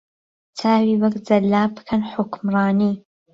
چاوی وەک جهللاب پکەن حوکمرانی